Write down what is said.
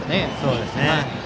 そうですね。